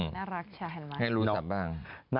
โอ้ยน่ารักช่าแหลมวัน